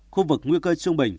khu vực nguy cơ trung bình